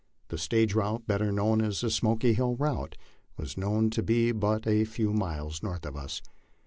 The stage route, better known as the " Smoky Hill route," was known to be but a few miles north of us.